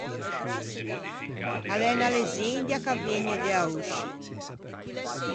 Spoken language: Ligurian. A l'é unna lezzendia ch'a vëgne de Aosci.